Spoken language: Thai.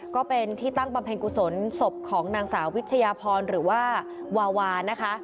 ก็เป็นที่ตั้งบำเพ็ญกุศลศพของนางสาววิชยาพรหรือว่าวาวานะคะ